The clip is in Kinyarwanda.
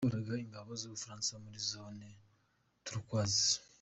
Uwayoboraga ingabo z’u Bufaransa muri ’Zone Turquoise’